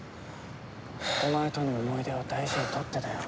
お前との思い出を大事に取ってたよ。